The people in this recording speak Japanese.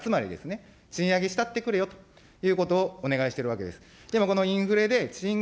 つまりですね、賃上げしたってくれよということをお願いしてるわけです。